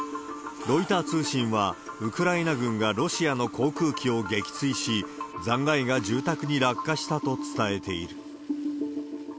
ロイター通信は、ウクライナ軍がロシアの航空機を撃墜し、残骸が住宅に落下したと伝えている。